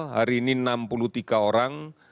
hari ini enam puluh tiga orang